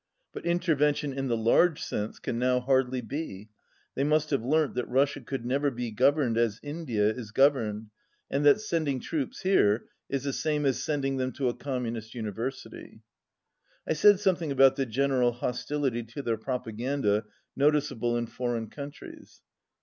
But intervention in the large sense can now hardly be. They must have learnt that Russia could never be governed as India is governed, and that sending troops here is the same thing as sending them to a Communist University." I said something about the general hostility to their propaganda noticeable in foreign countries.